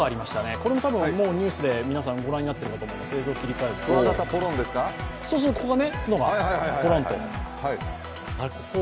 これも多分もうニュースで皆さん、ご覧になっていると思います映像を切り替えると、つのがポロンと。